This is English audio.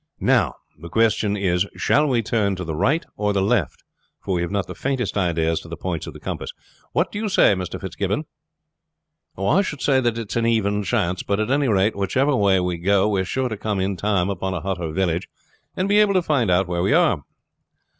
"Now, the question is shall we turn to the right or the left, for we have not the faintest idea as to the points of the compass. What do you say, Mr. Fitzgibbon?" "I should say that it is an even chance; but at any rate whichever way we go we are sure to come in time upon a hut or village, and be able to find out where we are."